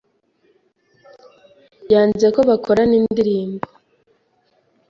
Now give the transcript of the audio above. yanze ko bakorana indirimbo